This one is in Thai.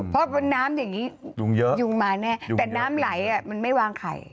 เพราะบนน้ำอย่างนี้ยุงมาแน่แต่น้ำไหลมันไม่วางไข่